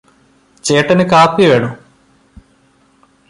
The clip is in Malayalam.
ചേട്ടന് കാപ്പി വേണോ?